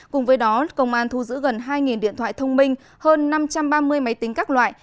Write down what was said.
cùng với đó công an thu giữ gần hai điện thoại thông minh hơn năm trăm ba mươi máy tính các loại